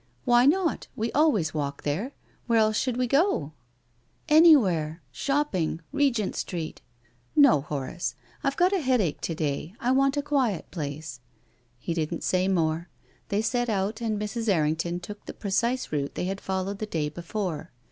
" Why not ? We always walk there. Where else should we go ?"" Anywhere — shopping — Regent Street." " No, Horace. I've got a headache to day. I want a quiet place." He didn't say more. They set out, and Mrs. Errington took the precise route they had followed the day before.